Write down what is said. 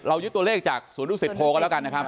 เรายึดตัวเลขจากสวรรค์ดูกศีลโภกันแล้วกันนะครับ